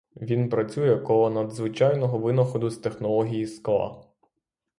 Він працює коло надзвичайного винаходу в технології скла.